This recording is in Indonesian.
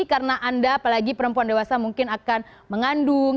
karena anda apalagi perempuan dewasa mungkin akan mengandung